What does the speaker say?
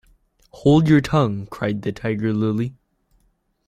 ‘Hold your tongue!’ cried the Tiger-lily.